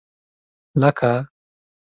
لکه